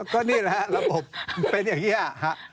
ก็นี่แหละครับระบบเป็นอย่างเยี่ยะ